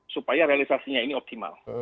supaya realisasinya ini optimal